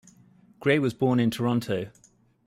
Gray was born in Toronto.